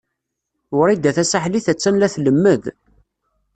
Wrida Tasaḥlit a-tt-an la tlemmed.